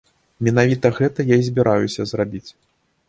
Менавіта гэта я і збіраюся зрабіць.